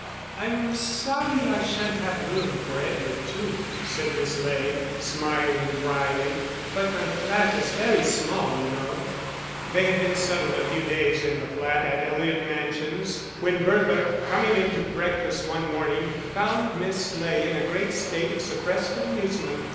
"I'm sorry I shan't have room for Edward too," said Miss Ley, smiling drily, "but my flat is very small, you know." They had been settled a few days in the flat at Eliot Mansions, when Bertha, coming in to breakfast one morning, found Miss Ley in a great state of suppressed amusement.